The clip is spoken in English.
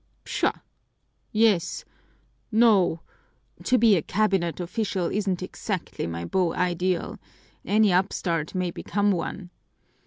"Pshaw! Yes no to be a cabinet official isn't exactly my beau ideal: any upstart may become one.